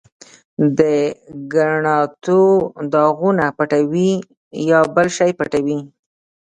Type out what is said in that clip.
د ګناټو داغونه پټوې، یا بل شی پټوې؟